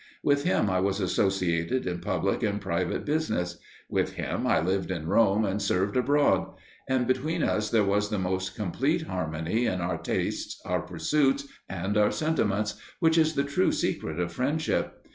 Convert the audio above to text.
With him I was associated in public and private business; with him I lived in Rome and served abroad; and between us there was the most complete harmony in our tastes, our pursuits, and our sentiments, which is the true secret of friendship.